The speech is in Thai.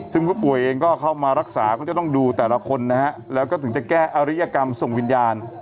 ซึ่งผู้ป่วยเองก็เข้ามารักษาก็จะต้องดูแต่ละคนนะฮะแล้วก็ถึงจะแก้อริยกรรมส่งวิญญาณ